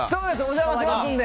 お邪魔しますんで。